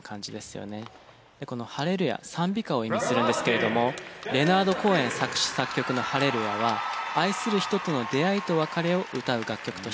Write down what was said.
この『ハレルヤ』賛美歌を意味するんですけれどもレナード・コーエン作詞作曲の『ハレルヤ』は愛する人との出会いと別れを歌う楽曲として解釈されています。